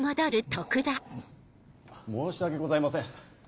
申し訳ございません。